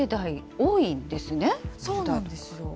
そうなんです。